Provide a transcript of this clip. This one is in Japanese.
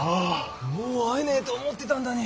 もう会えねぇと思ってたんだに。